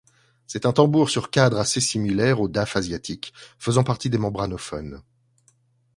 C'est un tambour sur cadre assez similaire au daf asiatique, faisant partie des membranophones.